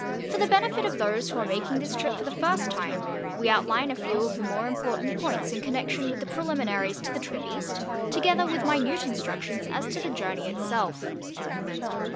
For the benefit of those who are making this trip for the first time, we outline a few of the more important points in connection with the preliminaries to the trip East, together with minute instructions as to the journey itself.